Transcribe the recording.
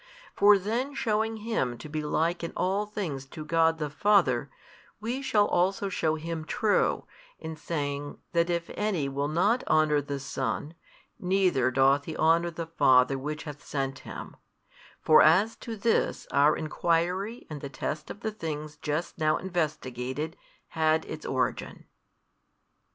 For then shewing Him to be Like in all things to God the Father, we shall also shew Him true, in saying that if any will not honour the Son, neither doth he honour the Father Which hath sent Him: for as to this our enquiry and the test of the things just now investigated had its origin.